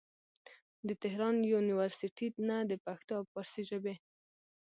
د تهران يونيورسټۍ نه د پښتو او فارسي ژبې